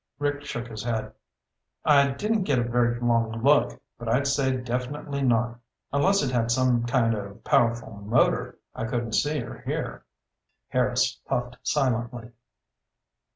Rick shook his head. "I didn't get a very long look, but I'd say definitely not. Unless it had some kind of powerful motor I couldn't see or hear." Harris puffed silently.